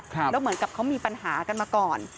ไม่ความเหมือนเขามีปัญหากันมาก่อน